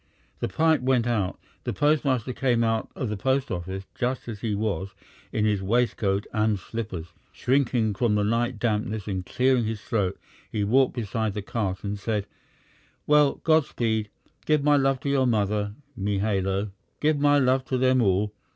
The pipe went out. The postmaster came out of the post office just as he was, in his waistcoat and slippers; shrinking from the night dampness and clearing his throat, he walked beside the cart and said: "Well, God speed! Give my love to your mother, Mihailo. Give my love to them all.